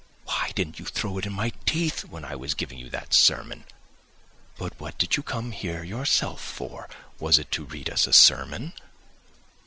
Why didn't you throw it in my teeth when I was giving you that sermon: 'But what did you come here yourself for? was it to read us a sermon?